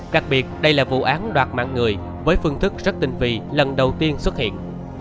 đặc biệt đây là vụ án đoạt mạng người với phương thức rất tinh vi lần đầu tiên xuất hiện